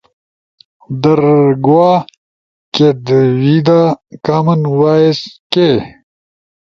درگوا، کیدویدا، کامن وائس کے؟